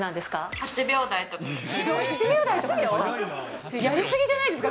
８秒台とかですか？